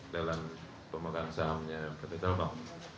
dalam pemegang sahamnya pt telkom